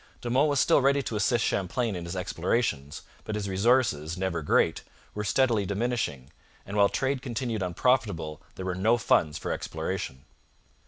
De Monts was still ready to assist Champlain in his explorations, but his resources, never great, were steadily diminishing, and while trade continued unprofitable there were no funds for exploration.